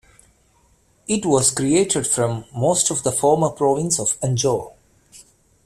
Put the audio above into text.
It was created from most of the former province of Anjou.